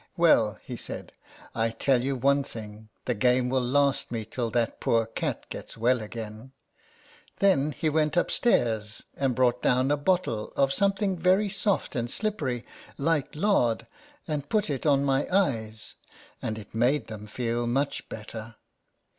"Well," he said, "I tell you one thing; the game will last me till that poor cat gets well again/' Then he went upstairs, and brought down a bottle of something very soft and slippery, like lard, and put it on my eyes, and it made them feel much better.